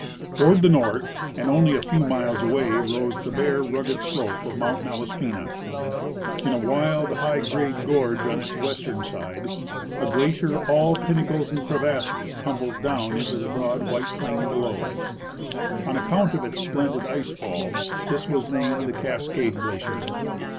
Toward the north, and only a few miles away, rose the bare, rugged slope of Mount Malaspina. In a wild, high grade gorge on its western side, a glacier, all pinnacles and crevasses, tumbles down into the broad white j^lain below. On account of its splendid ice fall this was named the Cascade glacier.